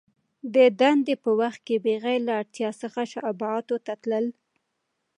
د دندي په وخت کي بغیر له اړتیا څخه شعباتو ته تلل .